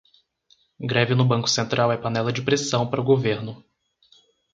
Greve no Banco Central é panela de pressão para o governo